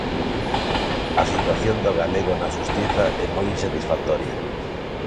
A situación do galego na Xustiza é moi insatisfactoria.